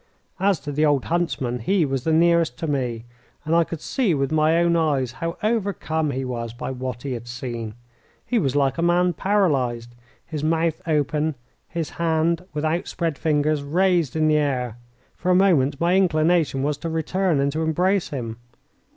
As to the old huntsman, he was the nearest to me, and I could see with my own eyes how overcome he was by what he had seen. He was like a man paralysed, his mouth open, his hand, with outspread fingers, raised in the air. For a moment my inclination was to return and to embrace him.